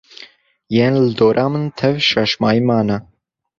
Yên li dora min tev şaşmayî mane